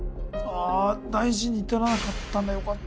大事に至らなかったんだ。よかった。